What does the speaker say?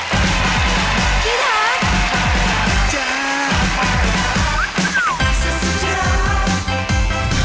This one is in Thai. พี่ทัก